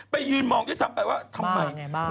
ไปยืนมองที่สัมไปว่าทำไม